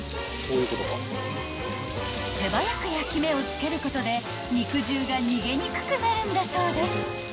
［手早く焼き目をつけることで肉汁が逃げにくくなるんだそうです］